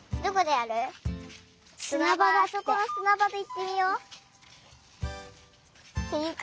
あそこのすなばでいってみよう！っていうか